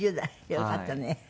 よかったね。